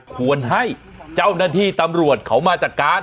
ควรให้เจ้าหน้าที่ตำรวจเขามาจัดการ